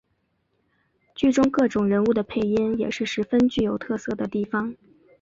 剧中各种人物的配音也是十分具有特色的地方。